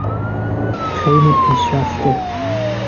خیلی پیشرفته